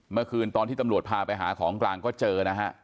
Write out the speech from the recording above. เมื่อคืนตอนที่ตำรวจพาไปหาของกลางก็เจอนะฮะ